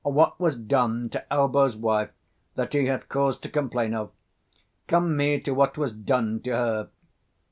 What was done to Elbow's wife, that he hath cause to complain of? Come me to what was done to her.